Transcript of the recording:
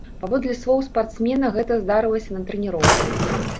Паводле слоў спартсмена, гэта здарылася на трэніроўцы.